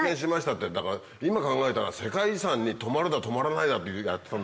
ってだから今考えたら世界遺産に泊まるだ泊まらないだってやってたんだからね。